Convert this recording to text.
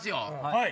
はい。